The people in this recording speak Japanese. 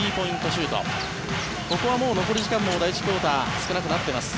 シュートここはもう残り時間も第１クオーター少なくなっています。